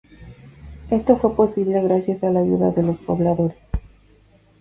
Esto fue posible gracias a la ayuda de los pobladores.